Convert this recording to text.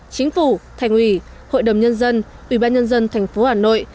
chính phủ thành ủy hội đồng nhân dân ubnd tp hà nội